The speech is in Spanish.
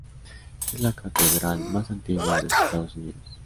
Es la catedral más antigua de los Estados Unidos.